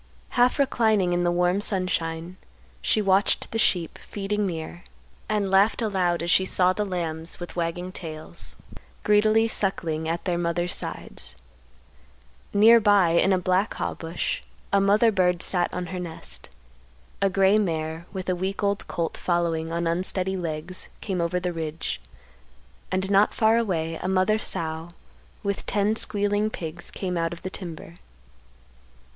Half reclining in the warm sunshine, she watched the sheep feeding near, and laughed aloud as she saw the lambs with wagging tails, greedily suckling at their mother's sides; near by in a black haw bush a mother bird sat on her nest; a gray mare, with a week old colt following on unsteady legs, came over the ridge; and not far away; a mother sow with ten squealing pigs came out of the timber.